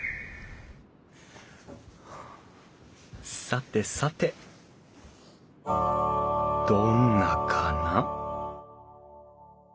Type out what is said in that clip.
さてさてどんなかな？